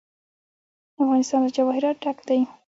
افغانستان له جواهرات ډک دی.